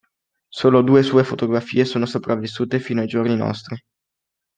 Solo due sue fotografie sono sopravvissute fino ai giorni nostri.